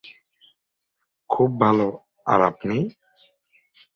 খুব ভাল। আর আপনি?